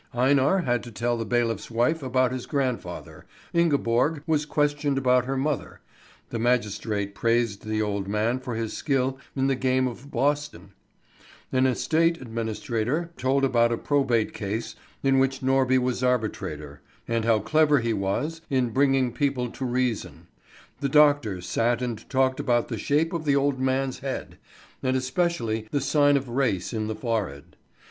Einar had to tell the bailiff's wife about his grandfather, Ingeborg was questioned about her mother; the magistrate praised the old man for his skill in the game of boston; an estate administrator told about a probate case in which Norby was arbitrator, and how clever he was in bringing people to reason; the doctor sat and talked about the shape of the old man's head, and especially the sign of race in the forehead.